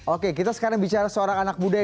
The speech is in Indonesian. oke kita sekarang bicara seorang anak muda